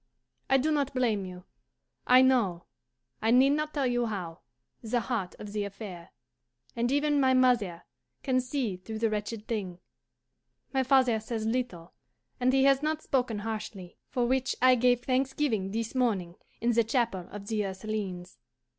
I do not blame you; I know I need not tell you how the heart of the affair; and even my mother can see through the wretched thing. My father says little, and he has not spoken harshly; for which I gave thanksgiving this morning in the chapel of the Ursulines.